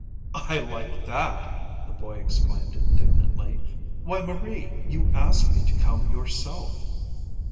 "I like that!" the boy exclaimed indignantly. "Why, Marie, you asked me to come yourself."